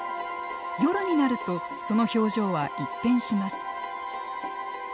夜になるとその表情は一変します。